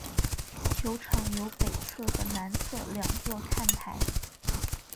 球场有北侧和南侧两座看台。